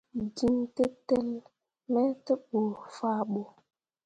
Jin tǝtǝlli me tevbu fah ɓo.